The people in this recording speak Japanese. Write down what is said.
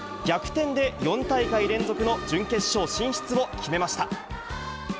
逆転で４大会連続の準決勝進出を決めました。